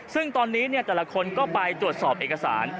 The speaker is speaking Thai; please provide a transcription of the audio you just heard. ซึ่งตอนนี้แต่ละคนก็ไปตรวจสอบเอกสาร